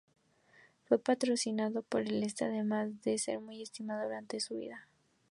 Fue patrocinado por el estado, además de ser muy estimado durante toda su vida.